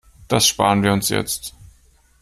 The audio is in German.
Das spar'n wir uns jetzt.